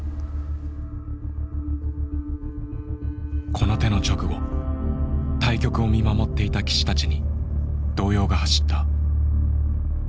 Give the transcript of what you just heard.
この手の直後対局を見守っていた棋士たちに動揺が走った。